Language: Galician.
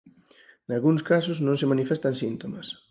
Nalgúns casos non se manifestan síntomas.